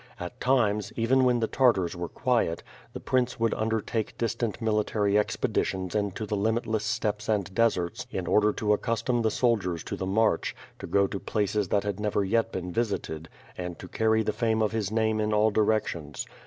At times, even when the Tartars were quiet, the prince would under take distant military expeditions into the limitless steppes and deserts, in order to accustom the soldiers to the march, to go to places that had never yet been visited, and to carry the fame of his name in all directions.